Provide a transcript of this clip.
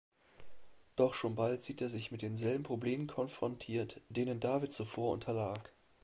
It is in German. Doch schon bald sieht er sich mit denselben Problemen konfrontiert, denen David zuvor unterlag.